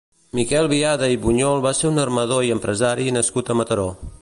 Miquel Biada i Bunyol va ser un armador i empresari nascut a Mataró.